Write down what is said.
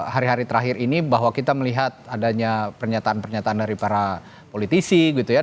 hari hari terakhir ini bahwa kita melihat adanya pernyataan pernyataan dari para politisi gitu ya